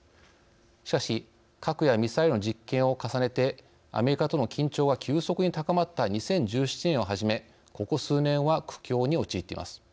しかし核やミサイルの実験を重ねてアメリカとの緊張が急速に高まった２０１７年をはじめここ数年は苦境に陥っています。